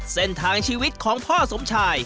เส้นทางชีวิตของพ่อสมชาย